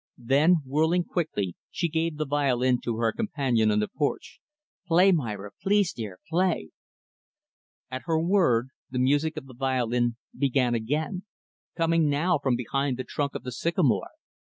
Then, whirling quickly, she gave the violin to her companion on the porch. "Play, Myra; please, dear, play." At her word, the music of the violin began again coming now, from behind the trunk of the sycamore.